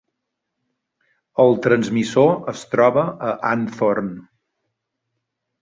El transmissor es troba a Anthorn.